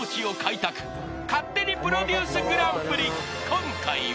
［今回は］